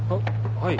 はい。